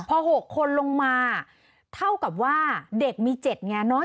พอหกคนลงมาเท่ากับว่าเด็กมีเจ็ดไงนะฮะ